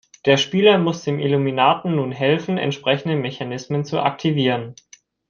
Der Spieler muss dem Illuminaten nun helfen, entsprechende Mechanismen zu aktivieren.